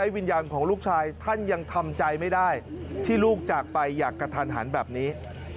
วิญญาณของลูกชายท่านยังทำใจไม่ได้ที่ลูกจากไปอย่างกระทันหันแบบนี้